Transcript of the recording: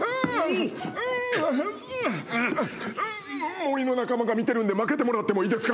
森の仲間が見てるんで負けてもらってもいいですか？